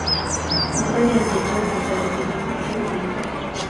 amatkiyonchi Tom kotoretin eng kiy tugul neiyoe